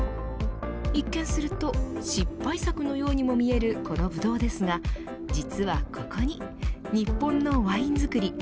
一見すると失敗作のようにも見えるこのブドウですが実はここに日本のワイン造り